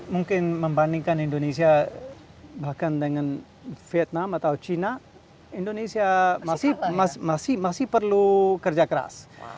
mungkin membandingkan indonesia bahkan dengan vietnam atau china indonesia masih perlu kerja keras